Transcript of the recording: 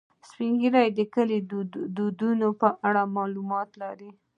سپین ږیری د کلي د دودونو په اړه معلومات لري